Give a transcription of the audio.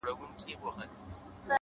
• زما په غم کي تر قيامته به ژړيږي,